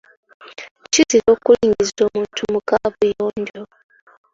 Kizira okulingiza omuntu mu kaabuyojo.